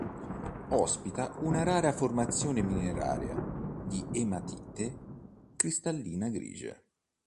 Ospita una rara formazione mineraria di ematite cristallina grigia.